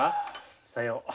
さよう。